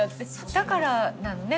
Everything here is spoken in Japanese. だからなのね